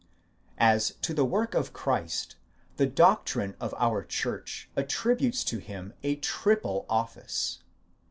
As to the work of Christ, the doctrine of our Church attributes to him a triple office.